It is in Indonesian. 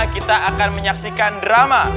kita akan menyaksikan drama